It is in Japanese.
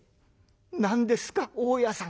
「何ですか大家さん」。